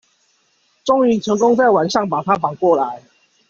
終於成功在晚上把他綁過來